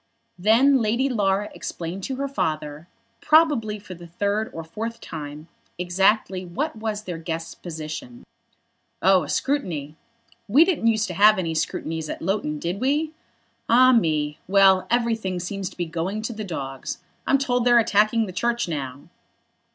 Then Lady Laura explained to her father, probably for the third or fourth time, exactly what was their guest's position. "Oh, a scrutiny. We didn't use to have any scrutinies at Loughton, did we? Ah, me; well, everything seems to be going to the dogs. I'm told they're attacking the Church now."